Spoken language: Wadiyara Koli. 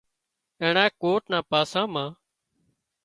اينڻا ڪوٽ نا پاسا مان